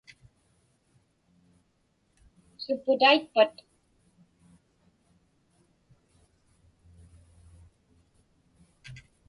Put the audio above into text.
Supputaitpat?